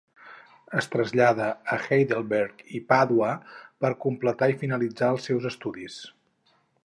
Es trasllada a Heidelberg i Pàdua per completar i finalitzar els seus estudis.